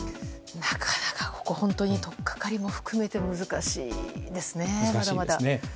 なかなか本当に取っ掛かりも含めて難しいですね。